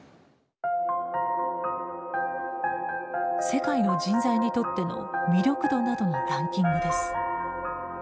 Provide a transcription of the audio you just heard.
世界の人材にとっての魅力度などのランキングです。